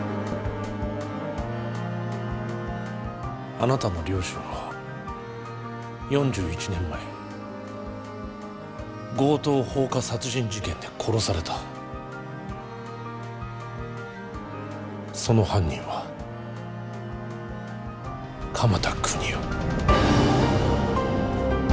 あなたの両親は４１年前強盗放火殺人事件で殺されたその犯人は鎌田國士